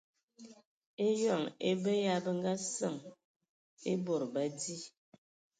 Eyɔŋ e be ya bə nga səŋ e bod ba di.